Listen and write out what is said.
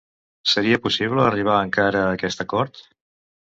Seria possible arribar encara a aquest acord?